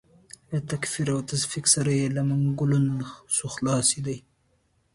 له تکفیر او تفسیق سره یې له منګولو نه شو خلاصېدای.